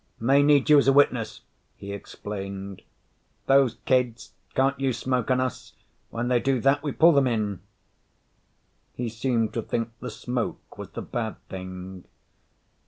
"May need you as a witness," he explained. "Those kids can't use smoke on us. When they do that, we pull them in." He seemed to think the smoke was the bad thing.